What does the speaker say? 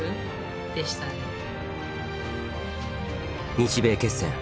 日米決戦